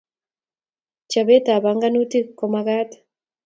Chobet ab banganutik komakat